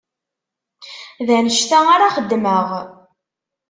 D anect-a ara xeddmeɣ.